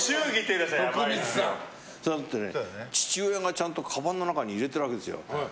父親がちゃんとかばんの中に入れてるわけですよ。